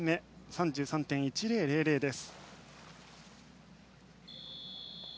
３３．１０００です。